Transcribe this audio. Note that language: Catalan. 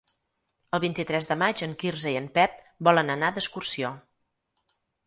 El vint-i-tres de maig en Quirze i en Pep volen anar d'excursió.